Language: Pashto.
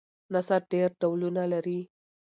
نثر ډېر ډولونه لري.